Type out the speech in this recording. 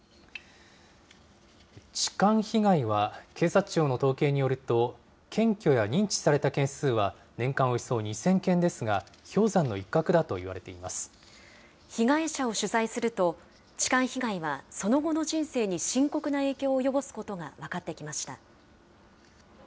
痴漢被害は警察庁の統計によると、検挙や認知された件数は年間およそ２０００件ですが、被害者を取材すると、痴漢被害はその後の人生に深刻な影響を及ぼすことが分かってきました。